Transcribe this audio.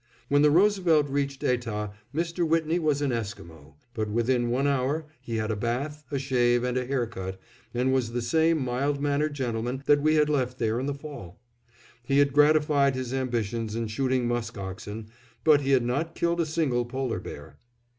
When the Roosevelt reached Etah, Mr. Whitney was an Esquimo; but within one hour, he had a bath, a shave, and a hair cut, and was the same mild mannered gentleman that we had left there in the fall. He had gratified his ambitions in shooting musk oxen, but he had not killed a single polar bear.